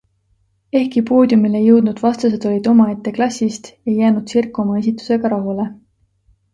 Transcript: Ehkki poodiumile jõudnud vastased olid omaette klassist, ei jäänud Zirk oma esitusega rahule.